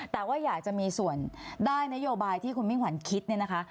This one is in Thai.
แต่ว่าอยากจะมีส่วนได้นโยบายที่คุณมิ่งขวัญคิดเนี่ยนะคะ